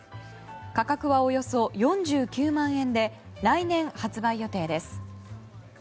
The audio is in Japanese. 価格はおよそ４９万円で来年発売予定です。